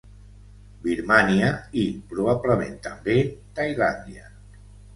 Birmània i, probablement també, Tailàndia.